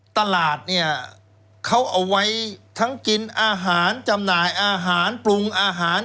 ตลาดเนี่ยเขาเอาไว้ทั้งกินอาหารจำหน่ายอาหารปรุงอาหาร